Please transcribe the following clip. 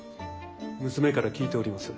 娘から聞いております。